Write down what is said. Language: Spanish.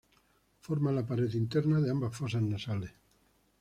Forma la pared interna de ambas fosas nasales.